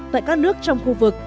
tại các nước trong khu vực